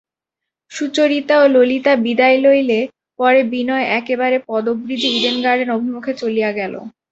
সুচরিতা ও ললিতা বিদায় লইলে পর বিনয় একেবারে পদব্রজে ইডেন গার্ডেন অভিমুখে চলিয়া গেল।